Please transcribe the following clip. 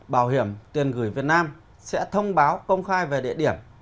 bảo hiểm tiền gửi việt nam sẽ thông báo công khai về địa điểm